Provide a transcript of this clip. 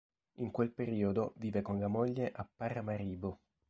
In quel periodo vive con la moglie a Paramaribo.